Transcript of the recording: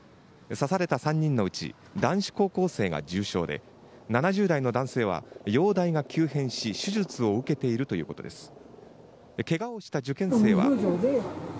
刺された３人のうち男子高校生は重傷で７０代の男性は容体が急変し手術を受けているということです。